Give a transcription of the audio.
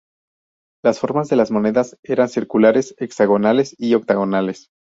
Las formas de las monedas eran circulares, hexagonales y octogonales.